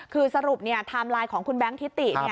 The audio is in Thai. คือสรุปไทม์ไลน์ของคุณแบงค์ทิติ